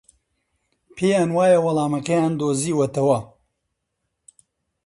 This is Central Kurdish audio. پێیان وایە وەڵامەکەیان دۆزیوەتەوە.